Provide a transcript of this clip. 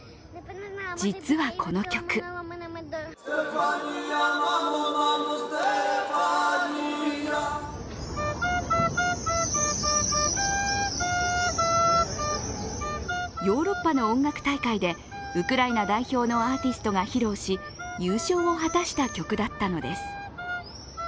実はこの曲ヨーロッパの音楽大会でウクライナ代表のアーティストが披露し優勝を果たした曲だったのです。